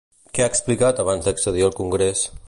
Què ha explicat abans d'accedir al congrés?